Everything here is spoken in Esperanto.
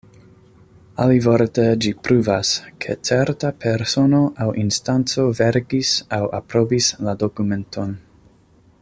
Alivorte ĝi pruvas, ke certa persono aŭ instanco verkis aŭ aprobis la dokumenton.